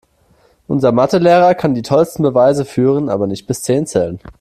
Unser Mathe-Lehrer kann die tollsten Beweise führen, aber nicht bis zehn zählen.